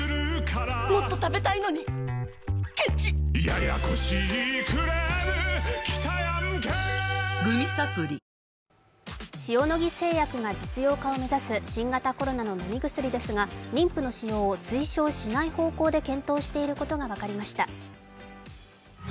金子大臣は昨日の閣議後の会見で塩野義製薬が実用化を目指す新型コロナの飲み薬ですが妊婦の使用を推奨しない方向で検討していることが分かりました。